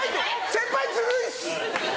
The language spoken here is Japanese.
先輩ずるいっす！